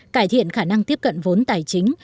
cải thiện khả năng tiếp cận vốn tài chính